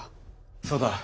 そうだ。